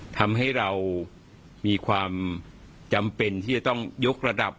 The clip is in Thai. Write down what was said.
ทำให้เรามีความจำเป็นที่จะต้องยกระดับ